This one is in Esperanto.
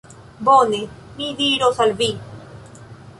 Bone, mi diros al vi.